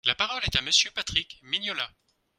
La parole est à Monsieur Patrick Mignola.